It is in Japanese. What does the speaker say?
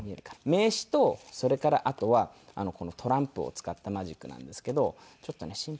名刺とそれからあとはこのトランプを使ったマジックなんですけどちょっとねシンプルなカードがいいな。